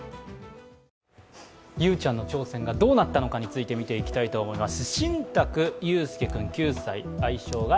ゆうちゃんの挑戦がどうなったのかについて見ていきたいと思います。